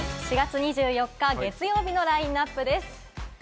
４月２４日、月曜日のラインナップです。